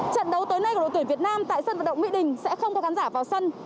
trận đấu tối nay của đội tuyển việt nam tại sân vận động mỹ đình sẽ không có khán giả vào sân